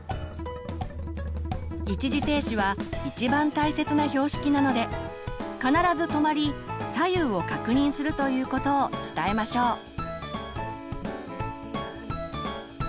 一時停止は一番大切な標識なので必ず止まり左右を確認するということを伝えましょう。